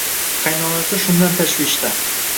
Qaynonasi shundan tashvishda